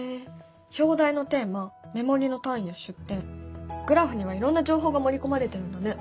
表題のテーマ目盛りの単位や出典グラフにはいろんな情報が盛り込まれてるんだね。